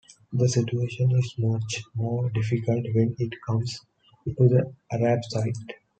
The situation is much more difficult when it comes to the Arab side.